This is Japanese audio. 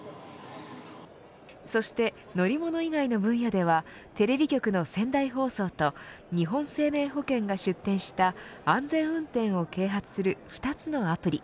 そして、乗り物以外の分野ではテレビ局の仙台放送と日本生命保険が出展した安全運転を啓発する２つのアプリ。